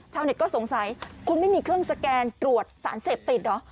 ชาวเน็ตก็สงสัยคุณไม่มีเครื่องสแกนตรวจสารเสพติดเหรอ